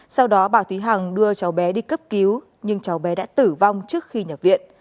sau đó bà thúy hằng đưa cháu bé đi cấp cứu nhưng cháu bé đã tử vong trước khi nhập viện